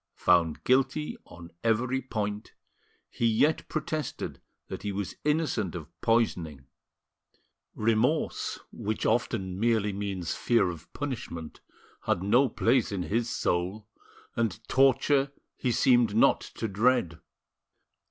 Found guilty on every point, he yet protested that he was innocent of poisoning. Remorse, which often merely means fear of punishment, had no place in his soul, and torture he seemed not to dread.